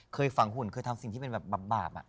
เคยฝังหุ่นทำสิ่งที่แบบบาป